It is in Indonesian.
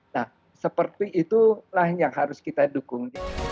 nah seperti itulah yang harus kita dukung